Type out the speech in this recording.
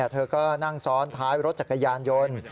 เธอก็นั่งซ้อนท้ายรถจักรยานยนต์